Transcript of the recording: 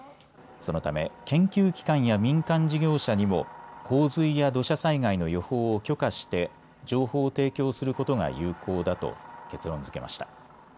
そのため研究機関や民間事業者にも洪水や土砂災害の予報を許可して情報を提供することが有効だと結論づけました。